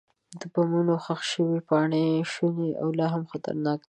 د بمونو ښخ شوي پاتې شوني لا هم خطرناک دي.